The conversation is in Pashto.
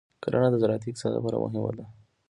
کرنه د زراعتي اقتصاد لپاره مهمه ده.